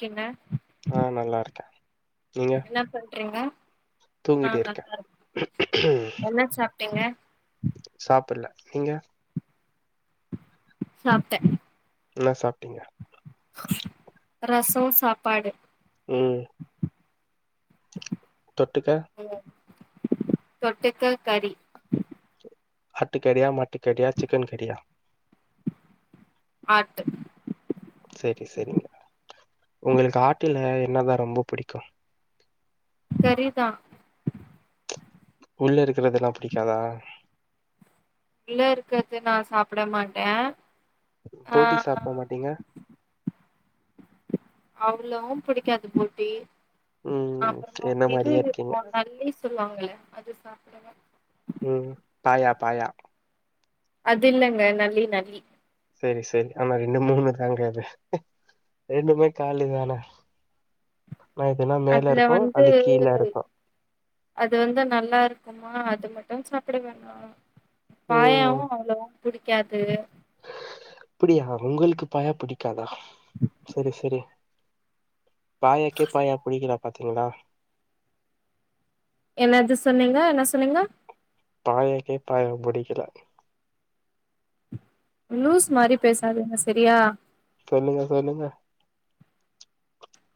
கின்ன ஆ நல்லா இருக்க என்ன பண்றீங்க ஆ தூங்கிட்டு இருக்கே நல்லா இருக்க என்ன சாப்ட்டீங்க சாப்பிட்ல நீங்க சாப்ட்ட என்ன சாப்ட்டீங்க ரசோ சாப்பாடு ம் தொட்டுக்க ம் தொட்டுக்க கறி ஆட்டு கறியா மாட்டு கறியா சிக்கன் கறியா ஆட்டு சரி சரிங்க உங்களுக்கு ஆட்டில என்னதா ரொம்ப புடிக்கு கறி தா உள்ள இருக்கிறதெல்லா புடிக்காதா உள்ள இருக்கிறது நா சாப்ட மாட்ட போட்டி சாப்ட மாட்டீங்க அவ்வளவும் புடிக்காது போட்டி ம் அப்புறோமா என்ன இது மாரியே இருக்கீங்க இருக்கு நல்லி சொல்லுவாங்கல்ல அது சாப்டுவ ம் பாயா பாயா அதுல்லங்க நல்லி நல்லி செரி செரி ஆனா ரெண்டு மூணுனா தாங்காது ரெண்டுமே காலி தான ஆனா இதுன்னா மேல அதுல இருக்கு வந்து அது கீழ இருக்கும் அது வந்து நல்லா இருக்குமா அது மட்டு சாப்பிட வேண்ணா ம் பாயாவு அவ்வளவா புடிக்காது அப்டியா உங்களுக்கு பாயா பிடிக்காதா செரி செரி பாயாக்கே பாயா புடிக்கல பாத்தீங்களா என்னது சொன்னீங்க என்ன சொன்னீங்க பாயாக்கே பாயாவ பிடிக்கல லூஸ் மாறி பேசாதிங்க செரியா சொல்லுங்க சொல்லுங்க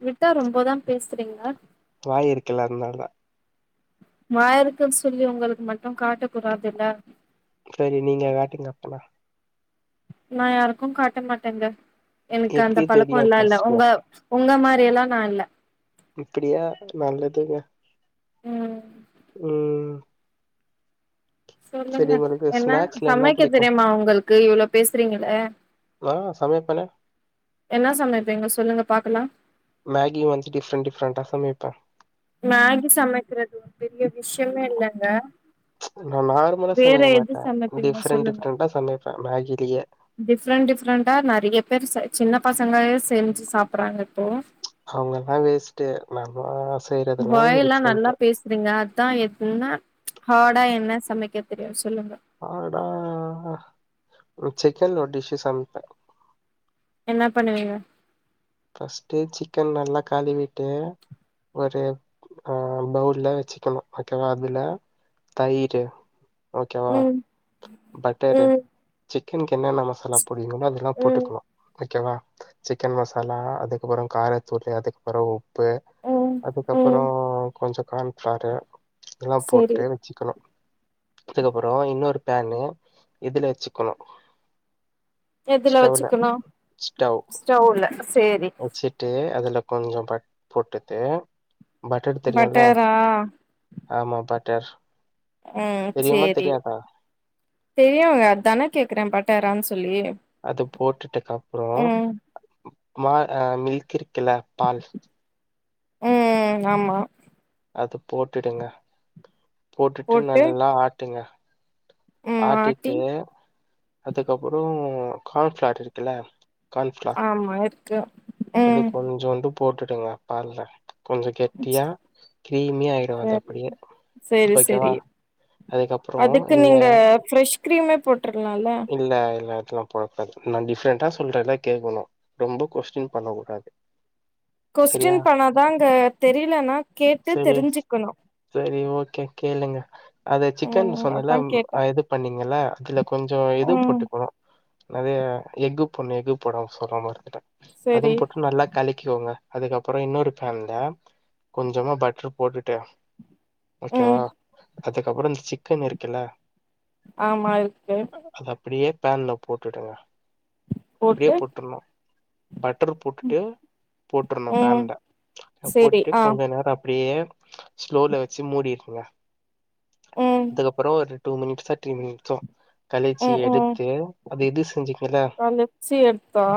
விட்டா ரொம்பதா பேசுறீங்க வாயிருக்குல அதுனால தா வாயிக்குருன்னு சொல்லி உங்களுக்கு மட்டு காட்ட கூடாதுல்ல செரி நீங்க காட்டுங்க அப்பனா நா யாருக்கு காட்ட மாட்டேங்க எனக்கு அந்த எப்டி பழக்கோ தெரியு எல்லா இல்ல ஃபர்ஸ்ட்டு உங்க உங்க மாறி எல்லா நா இல்ல இப்டியா நல்லதுங்க ம் ம் ம் சொல்லுங்க உங்களுக்கு என்ன ஸ்நாக்ஸ்ல என்ன சமைக்க புடிக்கு தெரியுமா உங்களுக்கு இவ்வளோ பேசுறீங்களே நா சமைப்பனே என்னா சமைப்பீங்க சொல்லுங்க பாக்கலா மேகி வந்து டிஃப்ரெண்ட் டிஃப்ரண்டா சமைப்பே மேகி சமைக்கிறது பெரிய விஷயமே இல்லைங்க நா நார்மலா சமைக்க மாட்டே சமைப்பீங்க டிஃப்ரெண்ட் சொல்லுங்க டிஃப்ரெண்டா சமைப்பே மேகிலயே டிஃப்ரெண்ட் டிஃப்ரெண்டா நறைய பேர் செ சின்ன பசங்களே செஞ்சு சாப்பறாங்க இப்போ அவங்கல்லா வேஸ்ட்டு நம்மா செய்யறதுல்லா டிஃப்ரெண்ட்டு அப்டிங்ளா அதா எதுன்னா ஹார்டா என்ன சமைக்க தெரியு சொல்லுங்க ஹாடானா சிக்கன்ல ஒரு டிஷ்ஷு சமைப்பே என்ன பண்ணுவீங்க பஸ்ட்டு சிக்கன் நல்லா கழுவிட்டு ஒரு ஹ பவுல வச்சக்கனு ஓக்கேவா அதுல தைய்ரு ஓகேவா ம் பட்டரு ம் சிக்கனுக்கு என்னென்ன மசாலா போடுங்விகளோ அதெல்லா ம் போட்டுக்கணு ஓக்கேவா சிக்கன் மசாலா அதுக்கப்றோ காரத்தூள் அதுக்கப்றோ உப்பு ம் அதுக்கப்றோ ம் கொஞ்சோ கார்ன்ஃப்ளாரு இதெல்லா செரி போட்டு வச்சு க்கணு வச்சக்கப்றோ இன்னொரு பேன்னு இதுல வச்சுக்கணு எதுல ஸ்டவ்ல வச்சுக்கணு ஸ்டவ் ஸ்டவ்ல சேரி வச்சு ட்டு அதுல கொஞ்சோ பட் போட்டுட்டு பட்டர் தெரியும்ல பட்டரா ஆமா பட்டர் ம் தெரியுமா சேரி தெரியாதா தெரியுங்க அதா கேக்குறே பட்டாரான்னு சொல்லி அது போட்டுட்டுக்கு அப்றோ ம் மா மில்க் இருக்குல பால் ம் ம் ஆமா அது போட்டுடுங்க போட்டுட்டு போட்டு நல்லா ஆட்டுங்க ம் ஆட்டி ஆட்டிட்டு் அதுக்கப்றோ கார்ன்ஃப்ளார் இருக்குல்ல கார்ன்ஃப்ளா ஆமா இரு அது கொஞ்ஜோன்டு போட்டுருவே யாரு இல்ல கொஞ்சோ கெட்டியா கிரீமியா ஆயிடு அது சரி அப்டியே செரி ஓகேவா செரி அதுக்கு நீங்க ஃப்ரெஷ் கிரீமே போட்டு இருக்கலாம்ல இல்ல இல்ல அதெல்லா போடக்குடாது நான் டிஃப்ரெண்ட்டா சொல்றேன்ல்ல கேட்கணு ரொம்ப கொஷ்டி பண்ண கூடாது கொஸ்டி சரியா பண்ணா தாங்க தெரியலன்னா கேட்டு தெரிஞ்சுக்கணு சேரி ஓகே கேளுங்க அத சிக்கன் ம் சொன்ன எல்லா அதா கேட்டே அது பண்ணீங்க அதுல கொஞ்சோ ம் எது போட்டுக்கோ நிறைய எஃகு பொண்ணு எஃகு போடாம சொல்ல மாறந்துட்டே செரி அதுவு போட்டு நல்லா கலிக்கிக்கோங்க அதுக்கப்பறோ இன்னொரு பேன்ல கொஞ்சமா பட்டர் போட்டுட்டு ஓகேவா ம் அதுக்கப்புற சிக்கன் இருக்குல்ல ஆமா இருக்கு அத அப்டியே பேன்ல போட்டுங்க அப்டியே போட்டு போட்டுணு பட்டர் போட்டுட்டு போட்டுருணு ம் பேன்ல செரி போட்டுட்டு ஆ கொஞ்சோ நேரம் அப்டியே ஸ்லோல வச்சு மூடிருங்க ம் அதுக்கப்பறோ ஒரு டூ மினிட்சோ த்ரீ மினிட்சோ கலைச்சி எடுத்து அது எது செஞ்சு ஆலச்சி எடுத்தா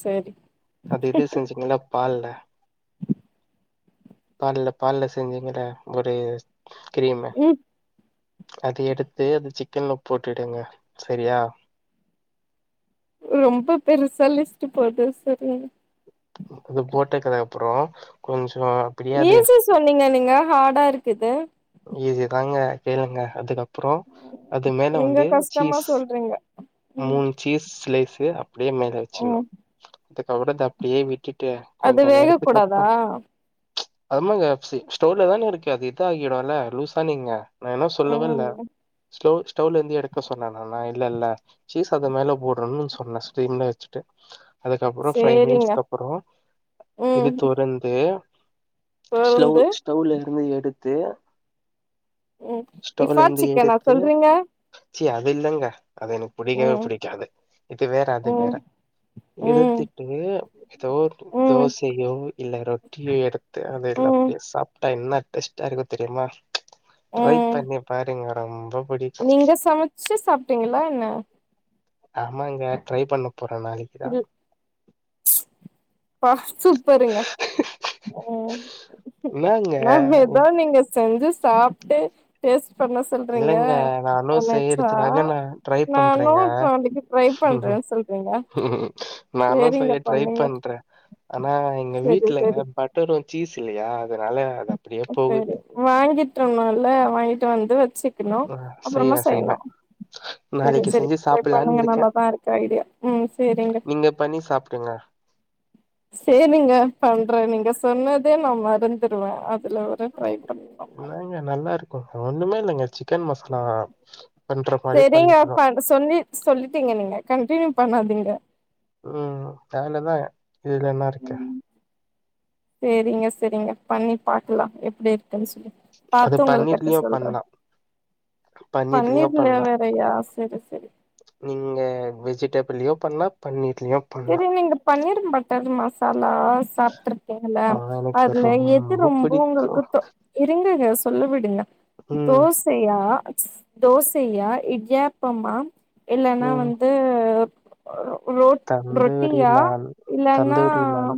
சேரி அது இது செஞ்சீங்கல்ல பால்ல பால்ல பால்ல செஞ்சேங்கல ஒரு கிரீமு ம் அது எடுத்து அந்த சிக்கன்ல போட்டுங்க சேரியா ரொம்ப பெருச லிஸ்ட் போது சேரிங்க அது போட்டக்கதுக்கு அப்பறோ கொஞ்சோ அப்படியே அது ஈசியா சொன்னீங்க நீங்க ஹாடா இருக்குது ஈஸி தாங்க கேளுங்க அதுக்கப்பறோ அப்பறோ அது மேல நீங்க வந்து கஷ்டமா சீஸ் சொல்றீங்க மூ ம் சீஸ் லேசு அப்டியே மேலச்சு சோ ம் அதுக்கப்பறோ அப்படியே விட்டுட்டு அது கொஞ்ச வேக நேரத்துக்கு அப்பறோ கூடாதா [unintelligible] ஸ்டோர்ல தானே இருக்கு அது இது ஆகிடு என்ன லூஸா நீங்க நா என்னு சொல்லவே இல்ல ம் ஸ்டவ் ஸ்டவ்ல இருந்து எடுக்க சொன்னே நா இல்ல இல்ல சீஸ் அத மேல போடுறும்னு சொன்னே ஸரீம்ல வச்சுட்டு அதுக்கப்பறோ ஃபைவ் சேரிங்க மினிட்ஸ்க்க அப்புறம் இது ம் திறந்து ஸ்லவ் பொருந்து ஸ்டவ்ல இருந்து எடுத்து ம் ஸ்டோவ் ல இஃபா இருந்து சிக்கனா எடுத்து சொல்றீங்க சி அது இல்லங்க அது எனக்கு பிடிக்கவே ம் பிடிக்காது இது வேற அது வேற ம் ம் எடுத்துட்டு ஏதோ ம் தோசையோ இல்ல ரொட்டியோ எடுத்து அது எல்லா ம் அப்டியேசாப்டு என்னடெஸ்ட்டா இருக்கு தெரியுமா ட்ரை ம் பண்ணி பாருங்க ரொம்ப பிடிக் நீங்க சமச்சு சாப்பிட்டீங்களா என்ன ஆமாங்க ட்ரை பண்ண போறே நாளைக்கு இது அப்பா சூப்பருங்க பா என்னாங்க நா ஏதோ நீங்க செஞ்சு சாப்பிட்டு டேஷ் பண்ண சொல்றீங்க இல்லங்க நானு நச்சா செய்யறதுக்காக நா ட்ரை நனோ பண்றேங்க பண் ரை பண்றே சொல்றீங்க நானு சேரிங்க செய்ய ட்ரை பண்ணுங்க பண்றே ஆனா எங்க செரி வீட்ல செரி பட் ரும் சீஸ் இல்லையா அதனால அது அப்டியே போகுது வாங்கிட் வர்ணுல வாங்கிட்டு வந்து வெச்சுக்கணும் அ அப்புறமா செய்வேன், செய்யணு செய்வேன். செரி நாளைக்கு செரி செஞ்சு ட்ரை சாப்பிடலான்னு பண்ணுங்க இருக்கேன். நல்லாதா இருக்கு ஐடியா நீங்க பண்ணி சாப்டுங்க சேரிங்க பண்ற நீங்க சொன்னதே நா மறந்துடுவ அதுல ஒரு ட்ரை பண்ணலாமா ன்னாங்க நல்லா இருக்குங்க ஒண்ணுமே இல்லங்க சிக்கன் மசாலா பண்ற மாரி செரிங்க பண்ணிக்கணும். ப சொல்லி சொல்லிட்டீங்க நீங்க கண்டினியூ பண்ணாதீங்க ம் வேலதா இதுல என்ன இருக்கு சேரிங்க செரிங்க பண்ணி பாக்கலா எப்டி இருக்குன் சொல்லி அது பாத்து உங்கள்கட்ட பன்னீர்லயும் சொல்ற பண்ணலாம். பன்னீர்லயும் பனீர்லவே பண்ணலாம். அப்டியா செரி செரி நீங்க வெஜிடபிள்ளயு பண்லா பனீர்லயு செரி நீங்க பனீர் பட்டர் மசாலாஸ் பாத்ருப்பிங்கல்ல ஆ எனக்கு அதுல எது ரொம்ப உங்களுக்கு பிடிக்கும். தொ இருங்கங்க சொல்ல விடுங்க ம், தோஸ் சயா ஸ் தோசயா இடியாப்பமா இல்லனா ம். வந்து உள் தந்தூரி ரொட்டியா நான், இல்லனா தந்தூரி நான்.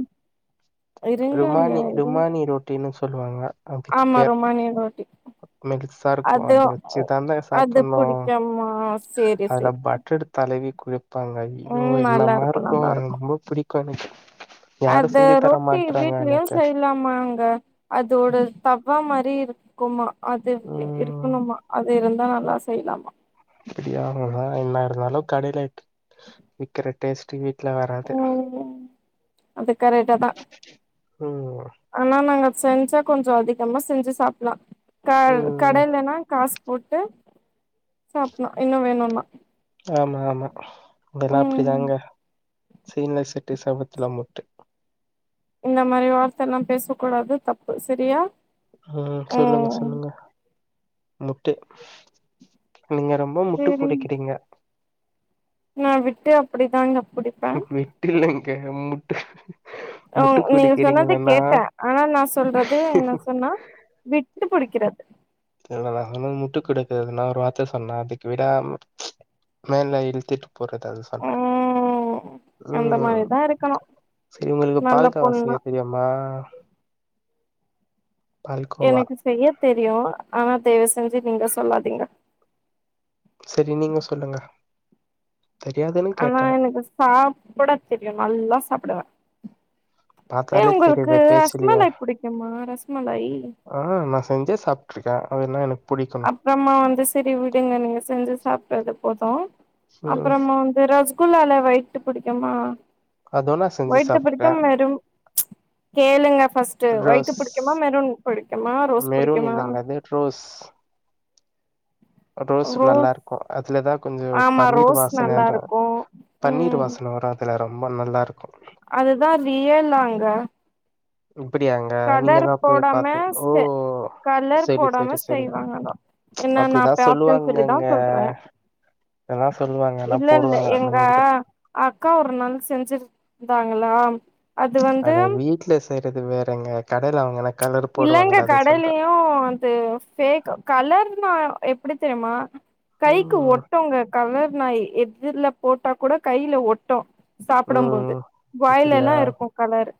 ருமானி இருங்க ருமானி ரோட்டினு சொல்வாங்க ஆமா ரொமானிய ரோட்டி மிக்சா இருக்கு அத வெச்சுதான்டா அது சாப்பிணு புடிக்குமா சேரி அதுல சேரி பட்எடுத் தலவி குடுப் வெப்பாங்க ஐயோ ம் நல்லா என்னமா இருக்கு நல்லா எ ரொம்ப பிடிக்கு எனக்கு யாரு சிங்கத் ட்டி வீட்லயு செய்யலாமா அங்க அதோட தவா மாரி இருக்குமா அது ம். இருக்கணுமா அது இருந்தா நல்லா செய்லாமா அப்படியா வ என்ன இருந்தாலு கடைல விக்கிற டேஸ்டு வீட் ட்ல வராது ம் அது கரெக்டா தா ம் ஆனா நாங்க செஞ்சா கொஞ்சொ அதிகமா செஞ்சு சாப்பிலா க ம். கடைலனா காசு போட்டு சாப்புலா இன்னு வேணுன்னா ஆமா ஆமா அதெல்லா ம் அப்டிதாங்க சீன்ல செட்டு சபத்துல முட்டு இந்த மாரி வார்த்தலா பேசக் கூடாது தப்பு சரியா ஆ சொல்லுங்க ம் சொல்லுங்க முட்டை நீங்க ரொம்ப உ முட்டு சேரி புடிக்கிறீங்க நா விட்டு அப்டிதாங்க புடிப் விட்டு இல்லங்க முட்டு உ முட்டு நீங்க சொன்னத குடுக்கிறீங்களண்ணா கேட்ட ஆனா நா சொல்றது என்ன சொன்னா விட்டு புடிக்கிறது தெர்ல நா அந்மாரி முட்டு குடுக்குறதுனா ஒரு வார்த்த சொன்னா அதுக்கு விடா முட் மேல இ்ழுத்துட்டு போறது அது ப ம் அந்த ம் மாரிதா இருக்கணு சரி உங்களுக்கு நல்ல பால்கோவா பொண்ணா செய்ய தெரியுமா மா பால்கோவா எனக்கு செய்ய தெரியு ஆனா தய்வு செஞ்சு நீங்க சொல்லாதீங்க சரி நீங்க சொல்லுங்க தெரியாதுன்னு ஆனா கேட்டே எனக்கு சாப்பிட தெரியு நல்லா சாப்பிடுவ ஏ பாத்தாலே உங்களுக்கு தெரியுது பேச்சுலயே ரஸ்மலாய் புடிக்குமா ரஸ்மலாய் ஆ நா செஞ்சே சாப்ருக்கேன் அதென்னா எனக்கு புடிக்கணும் அப்புறமா வந்து செரி விடுங்க நீங்க செஞ்சு சாப்டது போதோ ம் அப்புறமா வந்து இந்த ரசகுல்லால வொயிட்டு புடிக்குமா அதுவு நா செஞ்சு வொயிட்டு பிடிக்கு சாப்ட்டே வெறும் கேளுங்க ஃபஸ்ட்டு வொயிட்டு ரோஸ் புடிக்குமா மெரூன் பிடிக்குமா ரோஸ் மெரூன் புடிக்குமா இல்லங்க அது ரோஸ் ரோஸ் நல்லா இருக்கோ அதுலதா கொஞ்சொ ஆமா பன்னீர் ரோஸ் வாசன நல்லா இருக்கு பன்னீர் ம் வாசன வராது அதுல ரொம்ப நல்லாருக்கோ அதுதா ரியலாங்க அப்படியாங்க நீங்க கலர் தான் போய் போடாம பாத்தீங்க ஓ செ கலர் சரி போடாம சரி சரி செய்வாங்க ஆனா என்ன நா அப்படிதான் பாத்தேன்னு சொல்லிதா சொல்லுவாங்கங்க சொல்றே அதான் சொல்லுவாங்க ஆனா இல்ல இல்ல போடுவாங்க எங்க நீங்க அக்கா ஒரு நாள் செஞ்சிருந்தாங்களா அது வந்து அத வீட்ல செய்றது வேறங்க கடைல வாங்கன இல்லங்க கடைலயு து ஃபேக் கலர்னா எப்டி தெரியுமா கைக்கு ம் ஒட்டுங்க கலர் நாயி எதுல போட்டா கூட கைல ஒட்டு சாப்புடும் போது ம் அப்படியா வாயிலல்லா இருக்கோ கலரு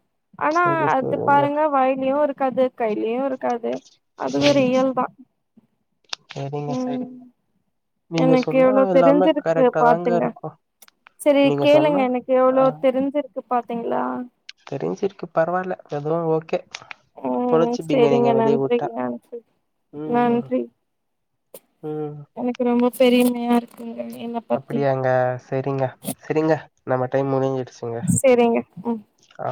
ஆனா சரி அது சரிங்க பாருங்க வாயிலயு இருக்காது கையிலயு இருக்காது அதுவோ ம் ரியல்தா சரிங்க ம் சரிங்க நீங்க எனக்கு சொன்னா எவ்ளவு எல்லாமே தெரிஞ்சிருக்கு கரெக்டா தாங்க பாத்துங்க இருக்கும் செரி நீங்க சொன்னா கேளுங்க எனக்கு எவ்வளோ ஆ தெரிஞ்சிருக்கு பாத்தீங்களா தெரிஞ்சிருக்கு பரவால்ல எதுவோ ஓகே ம் பொழச்சுப்பீங்க செரிங்க நீங்க வெளிய உட்டா நன்றிங்க நன்றி ம் ம் நன்றி ம் எனக்கு ரொம்ப பெரிமையா இருக்கு அப்புடியாங்க செரிங்க செரிங்க நம்ம டைம் முடிஞ்சிடுச்சு செரிங்க ம் க